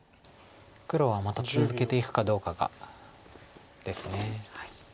黒はまた続けていくかどうかがですね。